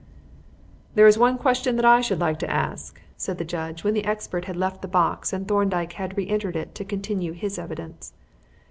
"There is one question that I should like to ask," said the judge, when the expert had left the box and Thorndyke had re entered it to continue his evidence.